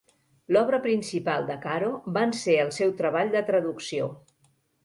L'obra principal de Caro van ser el seu treball de traducció.